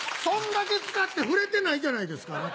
そんだけ使って振れてないじゃないですか